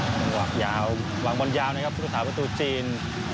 จังหวะยาววางบอลยาวนะครับพุทธศาสประตูจีน